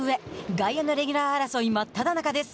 外野のレギュラー争い真っただ中です。